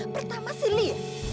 pertama si lie